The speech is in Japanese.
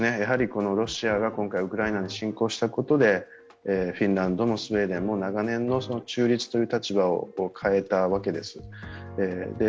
このロシアが今回ウクライナに侵攻したことで、フィンランドもスウェーデンも長年の中立という立場を変えたわけです。